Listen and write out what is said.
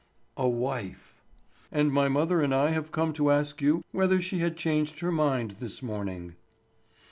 "A wife. And my mother and I have come to ask you whether she had changed her mind this morning."